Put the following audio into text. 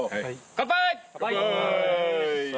乾杯！